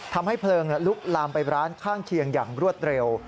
ทำให้เพลิงลุกลามไปร้านข้างเคียงอย่างรวดเร็ว